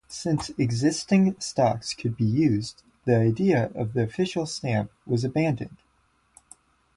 Since existing stocks could be used, the idea of the official stamp was abandoned.